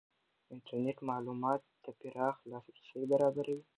انټرنېټ معلوماتو ته پراخ لاسرسی برابروي.